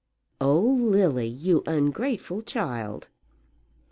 "Oh, Lily; you ungrateful child!"